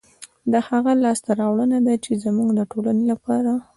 دا هغه لاسته راوړنه ده، چې زموږ د ټولنې لپاره